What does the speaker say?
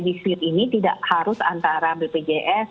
dispute ini tidak harus antara bpjs